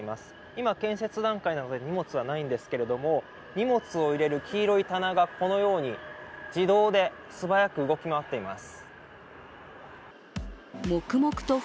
今、建設段階なので荷物はないんですけれども、荷物を入れる黄色い棚が、このように自動で素早く動き回っています。